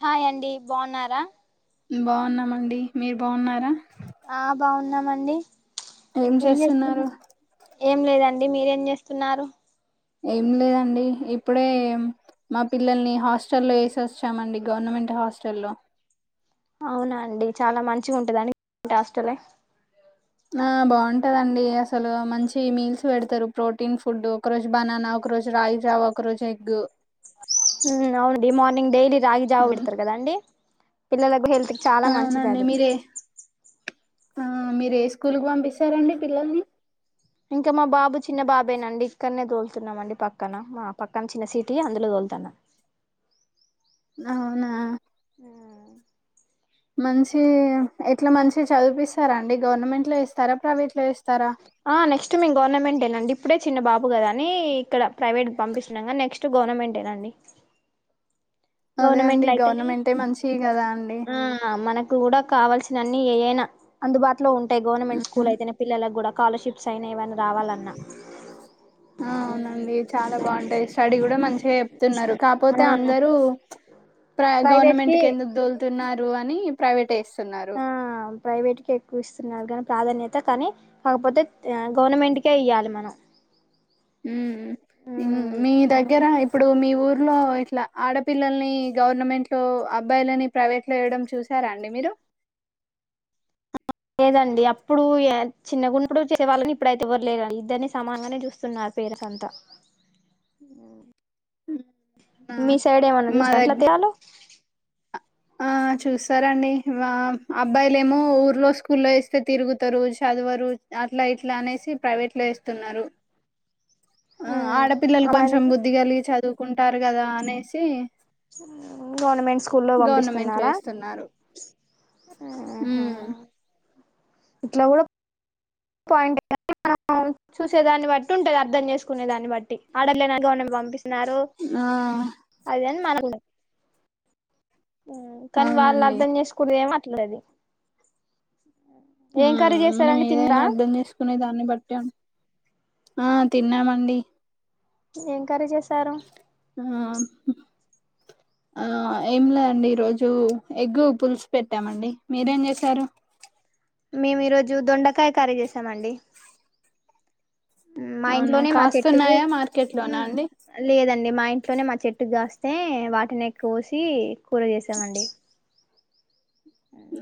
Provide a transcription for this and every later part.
హాయ అండి బాగున్నారా బాగున్నామండి మీరు బాగున్నారా ఆ బాగున్నామండి ఏం చేస్తున్నా ఏం లేదండి మీరేం చేస్తున్నారు ఏం లేదండి ఇప్పుడే మా పిల్లల్ని హాస్టల్లో వేసి వచ్చామండి గవర్నమెంట్ హాస్టల్లో అవునా అండి చాలా మంచిగా ఉంటు దానికి హస్టలే ఆ బాగుంటదండి అసలు మంచి మీల్స్ పెడతారు ప్రోటీన్ ఫుడ్ ఒక రోజు బనానా ఒక రరోజు రాయిజావ ఒక రోజు ఎగ్ మ్ అవును మార్నింగ్ డైలీ రాగి జావ పెడతారు కదాండి [unintelligible] చాలా మంచిది అవునండి అది మీరే ఆ మీరు ఏ స్కూల్ కు పంపిస్తారంండి పిల్లల్ని ఇంకా మా బాబు చిన్న బాబేనండి ఇక్కడనే తోలుతున్నాం అండి పక్కన మా పక్కన చిన్న సీటీ అందులో తోలుతాన అవునా మంచి ఎట్లా మంచిగా చదిపిస్తారా అండి గవర్నమెంట్ లో వేస్తారా ప్రైవేట్ లో వేస్తారా ఆ నెక్స్ట్ మేం గవర్నమెంటి నండి ఇప్పుడే చిన్న బాబు కదా అని ఇక్కడ ప్రైవేట్ పంపిస్తున్నాగానీ నెక్స్ట్ గవర్నమెంటె నండి అదే అండి గవర్నమెంటే మంచివి కదా అండి ఆ మన కూడా కావల్సిన అన్ని ఏ అయినా అందుబాటు లో ఉంటాయి ఉమ్. గవర్నమెంట్కూల్ అయితేనే పిల్లలకు కూడా స్కాలర్షిప్స్ అయినా ఏవన్న రావాలన్నా ఆ అవునండి చాలా బావుంటాయి స్టడీ కూడా మంచిగా చెప్తున్నారు ఆ కాపోతే అందరూ ప్రై ప్రైవేట్ గవర్నమెంట్ కి కెందుకు దోలు తున్నారు అని ప్రైవేటైజ్ తున్నారు ప్రైవేట్కే ఎక్కువ ఇస్తున్నారు గానీ ప్రాధాన్యత కానీ కాకపోతే గవర్నమెంట్కే ఇయాలి మనం హ్మ్ మ్మ్ ఉమ్ మీ దగ్గర ఇప్పుడు మీ ఊర్లో ఇట్లా ఆడపిల్లల్ని గవర్నమెంట్లో అబ్బాయిలని ప్రైవేట్లో ఇవ్వడం చూసారా అండి మీరు లేదండి అ ఇప్పుడు చిన్నగున్నడు చేసే వాళ్ళని ఇప్పుడైతే ఎవ్వరులేరు ఇద్దరిని సమానంగానే చూస్తున్నారు పేరెంట్స్ అంతా ఆ మీ సైడ్ ఏమన్నా మా చూస్తాను దగ్గ ఎట్లా [unintelligible] లో ఆ చూస్తారండి మా అబ్బాయిలేమో ఊర్లో స్కూల్లో వేస్తే తిరుగుతరు చదవరు అట్లా ఇట్లా అనేసి ప్రైవేట్లో వేస్తున్నారు ఆ ఆడపిల్లలు కొంచెం అమ్మాయిలని బుద్ది కలిగి చదువు కుంటారు కదా అనేసి గవర్నమెంట్ స్కూల్లో గవర్నమెంట్ లో పంపిస్తున్నారా? ఇస్తున్నారు ఊహూ ఉమ్ ఇట్లా కూడా పాయింట్ మనం చూసే దాన్ని బట్టి ఉంటది అర్థం చేసుకునే దాన్ని బట్టి ఆడర్లేనం పంపిస్త న్నారు ఆ అదిం మనకు కానీ వాళ్ళు అవునండి అర్థం చేసుకూదేమో అట్లే అది ఏం కర్రీ చేస్తారండి తినరా కునే దాన్ని బట్టాం ఆ తిన్నామండి ఎంకరేజ్ చేస్ ఆ ఆ ఏం లేదండి ఈరోజు ఎగ్ పులుసు పెట్టామండి మీరేం చేసారు మేము ఈరోజు దొండకాయ కర్రీ చేసామండి ఉమ్, మా అవునా ఇంట్లోనే మా చెట్టుకు కాస్తున్నాయా మార్కెట్ లోనా ఉమ్, అండి లేదండి మా ఇంట్లోనే మా చెట్టు కాస్తే వాటిని ఎ కోసి కూర చేసామండి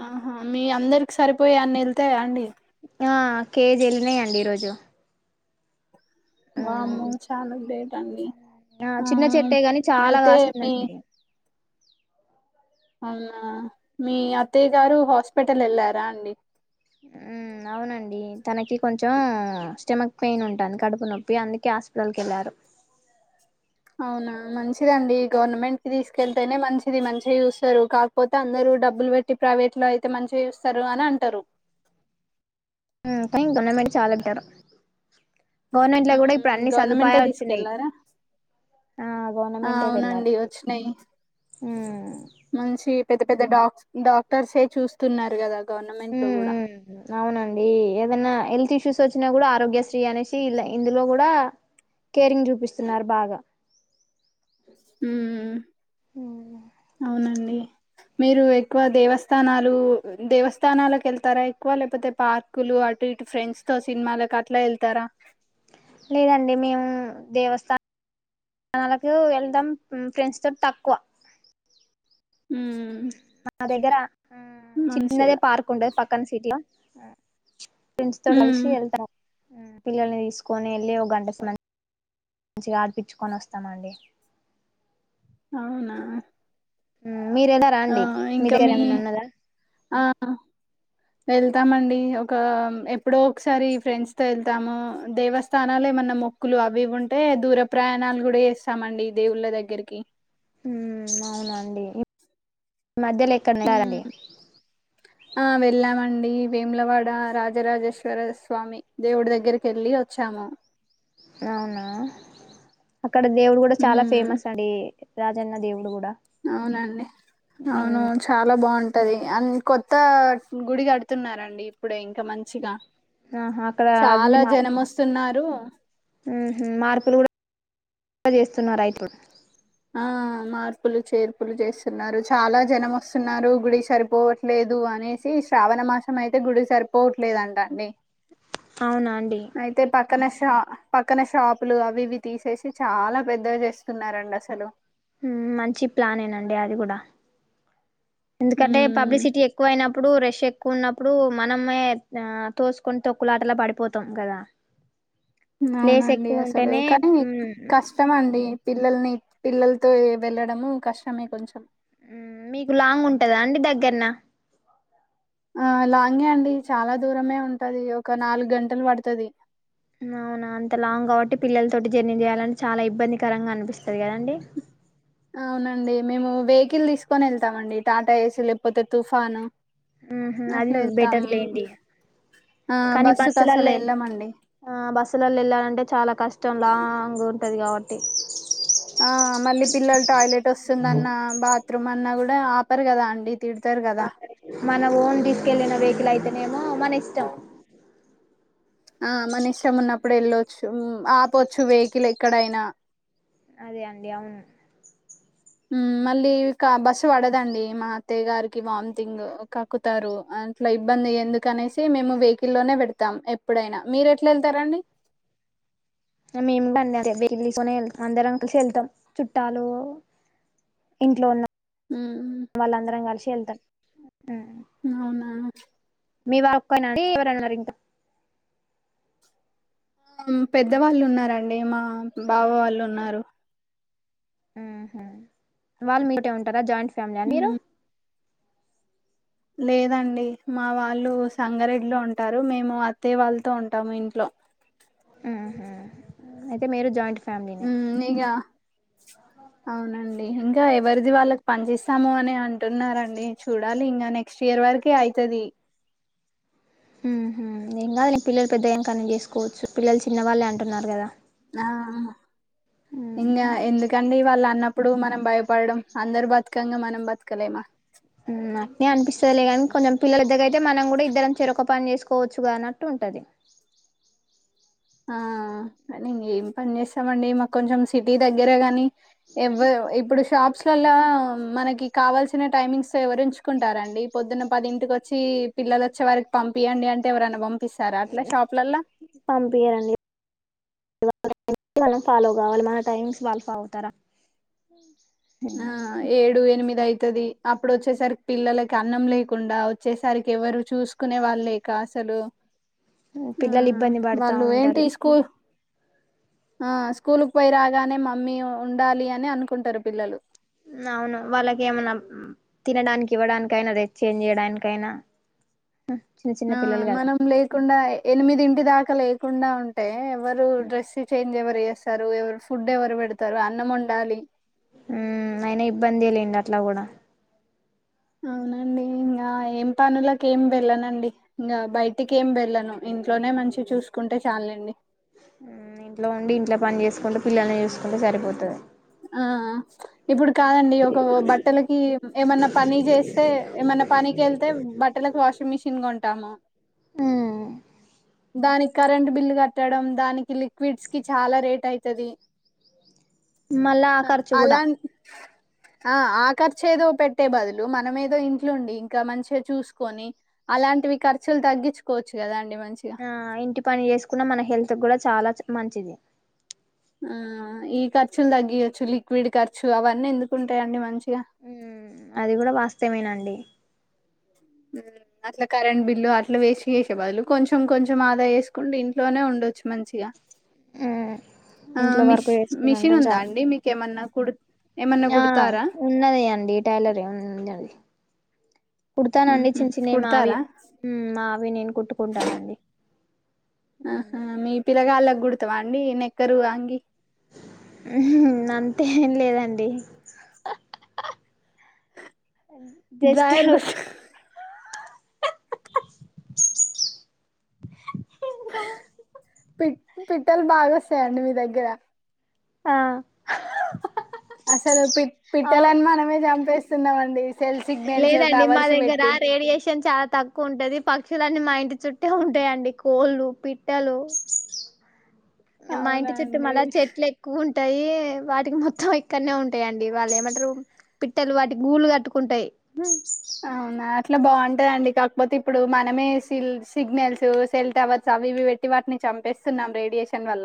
ఆహా మీ అందరికి సరిపోయే అన్ని వెళ్తయా అండి ఆ కేజీ ఎల్లినయ్యండి ఈరోజు వామ్మో ఉమ్, చాలు గ్రేట్ రండి ఆ చిన్న చెట్టే గాని చాలా మీ కాసిందండి అల్లా మీ అత్తయ్య గారు హొ హాస్పిటల్ ఎళ్లారా అండి. ఊ అవునండి తనకి కొంచెం స్టెమక్ పెయిన్ ఉంటుంది కడుపు నొప్పి అందుకే హాస్పిటల్కి వెళ్ళారు. అవునా మంచిదండి గవర్నమెంట్ కి తీసుకెళ్తేనే మంచిది మంచిగా చూస్తారు కాకపోతే అందరూ డబ్బులు పెట్టి ప్రైవేట్ లో అయితే మంచిగా చూస్తారు అని అంటారు. ఊ గవర్నమెంట్ చాలా బెటర్ గవర్నమెంట్ లో కూడా ఇప్పుడు ఉమ్, అన్ని గవర్నమెంటే సదుపాయాలు వచ్చినయి. తీసుకెళ్లారా ఆ ఆ గవర్నమెంటే అవునండి వెళ్ళారండి. వచ్చినాయి మంచి పెద్ద పెద్ద డాక్ డాక్టర్సే చూస్తున్నారు కదా గవర్నమెంట్ ఊ లో కూడా ఊ అవునండి ఏదన్నా హెల్త్ చూసి వచ్చినా కూడా ఆరోగ్యశ్రీ అనేసి ఇలా ఇందులో కూడా కేరింగ్ చూపిస్తున్నారు బాగా ఊ ఉమ్ అవునండి. మీరు ఎక్కువ దేవస్థానాలు దేవస్థానాలకు వెళ్తారా ఎక్కువ లేకపోతే పార్కులు అటు ఇటు ఫ్రెండ్స్ తో సినిమాలకట్లా వెళ్తారా లేదండి మేము దేవస్థానాలకు వెళ్దాం ఫ్రెండ్స్ తోటి తక్కువ ఉమ్ మా దగ్గర ఆ చిన్నదే మంచిగా పార్కు ఉండ పక్కన సీట్లా ఆ ఫ్రెండ్స్ తో ఉమ్ కలిసి వెళ్తా పిల్లల్ని తీసుకొని వెళ్ళి ఒక గంట మంచిగా ఆడిపిచ్చుకొని వస్తామండి. అవునా హు మీరేనా ఆ రాండీ మీ ఇంకా దగ్గర ఏమైనా ఉన్నదా ఆ వెళ్తామండి ఒక ఎప్పుడో ఒకసారి ఫ్రెండ్స్ తో వెళ్తాము. దేవస్థానాలు ఏమన్నా మొక్కులు అవి ఉంటే దూర ప్రయాణాలు కూడా చేస్తామండి దేవుళ్ళ దగ్గరికి ఊ అవునండి. ఈ మధ్యలో ఎక్కడ హ్మ్. ఉంటాదండి. ఆ వెళ్ళామండి. వేములవాడ రాజరాజేశ్వర స్వామి దేవుడి దగ్గరికి వెళ్ళి వచ్చాము. అవునా. ఇక్కడ దేవుడు కూడా చాలా హ్మ్. ఫేమస్ అండి. రాజన్న దేవుడు కూడా అవునండి అవును చాలా బాగుం టది అన్ కొత్త గుడి కడుతున్నారండి ఇప్పుడు ఇన్ ఇంకా మంచిగా ఆహా అక్కడ చాలా జనం వస్తున్నారు. రూ ఊహు మార్పులు కూడా చేస్తున్నార ఇప్పుడు ఆ మార్పులు చేర్పులు చేస్తున్నారు. చాలా జనం వస్తున్నారు గుడి సరిపోవట్లేదు అనేసి శ్రావణ మాసం అయితే గుడి సరిపోవట్లేదంట అండి. అవునా అండి అయితే పక్కన శి ప్ పక్కన షాపులు అవి ఇవి తీసేసి చాలా పెద్దవి చేస్తున్నారండి అస హలో మంచి ప్లానే నండి అది కూడా ఎందుకంటే ఉమ్ పబ్లిసిటీ ఎక్కువ అయినప్ అప్పుడు రెష్ ఎక్కువ ఉన్నప్పుడు మనమే ఆ తోసుకుంట తొక్కులాటలా పడిపోతాం కదా ప్లేస్ అవునండి ఎక్కువ అసలు ఉంటేనే కానీ మ్మ్ కష్టం అండి పిల్లల్ని పిల్లలతో వెళ్ళడము కష్టమే కొంచెం హమ్ మీకు లాంగ్ ఉంటదా అండి దగ్గరన ఆ లాంగే అండి చాలా దూరమే ఉంటది ఒక నాలుగు గంటలు పడతది అవునా అంత లాంగ్ కాబట్టి పిల్లల తోటి జర్నీ చేయాలని చాలా ఇబ్బందికరంగా అనిపిస్త స్తది కదండి అవునండి మేము వెహికల్ తీసుకొని ఎళ్తామండి టాటా ఏసీ లేకపోతే తుఫాను హమ్మ్ అది అట్లా వెళ్తాం బెటర్ లేండి ఆ కానీ బస్సుకి అసలు బస్సులలో వెళ్ళమండి ఆ బస్సులల్లో ఎళ్ళాలంటే చాలా కష్టం లాంగ్ టది కాబట్టి ఆ మళ్ళీ పిల్లలు టాయిలెట్ వస్తుందన్న బాత్రూమ్ అన్నా కూడా ఆపరు కదా అండి తిడతారు కదా మన ఓన్ తీస్కెళ్లిన వెహికల్ అయితేనేమో అ మానా ఇష్టం ఆ మన ఇష్టం ఉన్నప్పుడు వెళ్ళచ్చు ఆపచ్చు వెహికల్ ఎక్కడైనా అదే అండి అవును హమ్ మళ్ళీక బస్సు పడదండి మా అత్తయ్య గారికి వామిటింగ్ కక్కుతారు అట్లా ఇబ్బంది ఎందుకునేసి మేము వెహికల్లోనే పెడతాం ఎప్పుడైనా మీరు ఎట్లా ఎళ్తారాండి మేము బడి తీసుకొని వెళ్తాం అందరం కలిసి వెళ్తాం చుట్టాలు ఇంట్లో ఉన్న ఉమ్, వాళ్ళ అందరం కలిసి ఏల్తం హమ్ అవునా మీ వాళ ఒక్కటే అండి ఎవరన్నారు ఇంకా ఆ పెద్దవాళ్ళు ఉన్నారండి మా బావ వాళ్ళు ఉన్నారు వాళ్ళు మీటే ఉంటారా జాయింట్స్ ఫ్యామిలీ ఆహ్ మీరు ఉమ్, లేదండి మా వాళ్ళు సంగారెడ్డిలో ఉంటారు మేము అత్తయ వాళ్ళతో ఉంటాము ఇంట్లో ఆహ అయితే మీరు జాయింట్ ఫ్యామిలీనే హమ్ ఇగ అవునండి ఇంకా ఎవరిది వాళ్ళకి పనిచేస్తాము అని అంటున్నారండి చూడాలి ఇంకా నెక్స్ట్ ఇయర్ వరకి అయితది హమ్ ఏం కాదులే నీ పిల్లలు పెద్దగైనక అని చేసుకోవచ్చు పిల్లలు చిన్న వాళ్ళే అంటున్నారు కదా ఆ ఇంగ ఎందుకండి వాళ్ళ అన్న ఇప్పుడు మనం భయపడడం అందరు బతకంగా మనం బతకలేమా అట్నే అనిపిస్తదిలే కానీ కొంచెం పిల్లల దగ్గర అయితే మనం కూడా ఇద్దరం చెరో ఒక పని చేసుకోవచ్చుగా అన్నట్టు ఉంటది ఆ ఇంగ ఏం పని చేస్తామండి మాకు కొంచెం సిటీ దగ్గరే గాని ఎవారు ఇప్పుడు షాప్స్ లల్ల మనకి కావాల్సిన టైమింగ్స్ ఎవరూ ఉంచుకుంటారండి పొద్దున్న పదింటికి వచ్చి పిల్లలు వచ్చే వారికి పంపియండి అంటే ఎవరైనా పామ్ ఇస్తారా అట్లా షాప్లలా ఇయ్యరండి మనం ఫాలో కావాలి మన టైమింగ్స్ వాళ్ళు ఫాలో అవుతారా ఆ ఉమ్ ఏడు ఎనిమిది ఆయితు అది అప్పుడు వచ్చేసరికి పిల్లలకి అన్నం లేకుండా వచ్చేసరికి ఎవరు చూసుకునే వాళ్ళు లేక అసలు ఆ పిల్లలు ఇబ్బంది పడతా వాళ్ళు ఏంటి ఉంటారు ఈ స్కూల్ ఆ స్కూల్కి పోయి రాగానే మమ్మీ ఉండాలి అని అనుకుంటారు పిల్లలు అవును వాళ్ళకి ఏమన్నా తినడానికి ఇవ్వడానికైనా అది ఎక్చేంజ్ చేయడానికైనా చిన్న చిన్న ఆ పిల్లలు కదా మనం లేకుండా ఎనిమిదింటి దాకా లే కాకుండా ఉంటే ఎవరు డ్రెస్ చేంజ్య ఎవరూ స్త ఎవరు ఫుడ్ ఎవరు పెడతారు అన్నం వండాలి ఉమ్ అయినా ఇబ్బంది లేండి అట్లా కూడా అవునండి ఆ ఏం పనులకి ఏం వెళ్ళనండి ఇంకా బయటికి ఏం వెళ్ళను ఇంట్లోనే మంచి చూసుకుంటే చాలుండి ఇంట్లో ఉండి ఇంట్లో పని చేసుకుంటే పిల్లల్ని చూసుకుంటే సరిపోతుంది ఆ ఇప్పుడు కాదండి ఒక బట్టలకి ఏమన్నా పని చేస్తే ఏమన్నా పనికెళ్తే బట్టలకి వాషింగ్ మిషిన్ కొంటాము దానికి కరెంట్ బిల్లు కట్టడం దానికి లిక్విడ్స్ కి చాలా రేట్ అవుయిది మళ్ళ ఆ ఖర్చు కూడా ఆ ఆ ఖర్చు ఏదో పెట్టే బదులు మనమేదో ఇంట్లో ఉండి ఇంకా మంచిగా చూసుకొని అలాంటివి ఖర్చులు తగ్గించుకోవచ్చు కదా అండి మ ఆ ఇంటి పని చేసుకున్న మన హెల్త్ కూడా చాలా మంచిది ఆ ఈ ఖర్చులు తగ్గయొచ్చు లిక్విడ్ ఖర్చు అవన్నీ ఎందుకుంటాయిండి మంచి ఉమ్ అది కూడా వాస్తవమేనాండి అట్లా కరెంట్ బిల్లు అట్లా వేస్ట్ చేసే బదులు కొంచెం కొంచెం ఆదా చేసుకుంటే ఇంట్లోనే ఉండొచ్చు మంచిగా ఆ ఇంట్లో మిష్ వరకు వేసుకుని మిషన్ ఉంటాం ఉందా చాలా అండి మీకేమన్నా కుడు ఏమన్నా ఆ కుడతారా ఉన్నది అండి టైలరీ ఉంది అది కుడతానండి ఉహు చిన్న చిన్నవి మావి కుడతారా మావి నేను కుట్టుకుంటానండి ఆహ మీ పిల్లగాళ్లకూ కుడుతవాండి నిక్కరు అంగి ఉహూ అంతేం లేదండి జస్ట్ డ్రాయర్ కుట్టు పి పిట్టలు బాగొస్తాయండి మీ దగ్గర ఆ అసలు పిట్ అవు పిట్టాలని మనమే చంపే స్తున్నామండి లేదండి మా దగ్గర రేడియేషన్ చాలా తక్కువ ఉంటది పక్షు లన్నీ మా ఇంటి చుట్టే ఉంటాయండి కోళ్ళు పిట్టలు మా అవునా ఇంటి చుట్టూ అండి మళ్ళ చెట్లు ఎక్కువ ఉంటా టాయి వాటికి మొత్తం ఇక్కడ్నే ఉంటాయండి. వాళ్ళు ఏమంటారు పిట్టలు వాటికి గూళ్ళ కట్టుకుంటాయి. అవునా అట్లా బాగుంటదండి. కాకపోతే ఇప్పుడు మనమే సిల్ సిగ్నల్స్, సెల్ టవర్స్ అవి ఇవి పెట్టి వాటిని చంపేస్తున్నాం. రేడియేషన్ వల్ల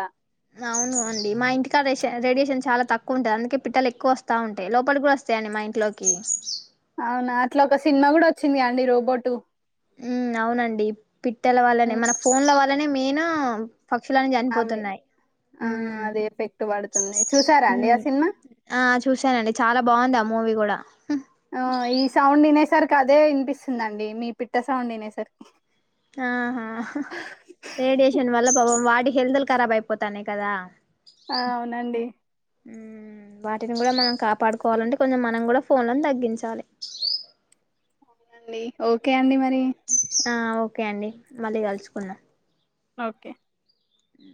అవును అండి మా ఇంటికా రేషన్ రేడియేషన్ చాలా తక్కువ ఉంటుంది. అందుకే పిట్టలు ఎక్కువ వస్తా ఉంటాయి. లోపలి కూడా వస్తాయండి మా ఇంట్లోకి అవునా అట్లా ఒక సినిమా కూడా వచ్చింది అండి రోబోటు మ్మ్ అవునండి పిట్టల వాళ్లనే మన ఫోన్ల వాల్ అలానే మెయిను పక్షులన్ అవి చనిపోతున్నాయి ఆ మ్మ్ అది ఎఫెక్ట్ పడుతుంది చూసారా అండి ఆ మ్మ్ సినిమా ఆ చూశానండి చాలా బాగుంది ఆ మూవీ కూడా [unintelligible] ఓ ఈ సౌండ్ వినేసరికి అదే వినిపిస్తుందండి మీ పిట్ట సౌండ్ వినేసరికి ఆహా రేడియేషన్ వల్ల పాపం వాటీ హెల్దుల్ ఖరాబ్ అయిపోతున్నాయి కదా ఆ అవునండి హ్మ్ వాటిని కూడా మనం కాపాడుకోవాలంటే కొంచెం మనం కూడా ఫోన్లను తగ్గించాలి. అవునండి ఒకే అండి మరి ఆ ఓక్ ఓకే అండి మళ్ళీ కలుసుకున్దాం ఓకే ఉ